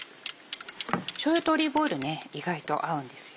しょうゆとオリーブオイル意外と合うんですよ。